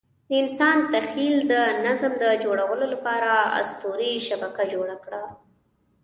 د انسان تخیل د نظم د جوړولو لپاره اسطوري شبکه جوړه کړه.